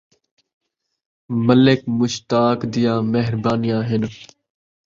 ملک مشتاق دیاں مہربانیاں ہن